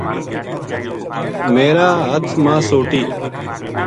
میر ا ہاتھ ما سوٹی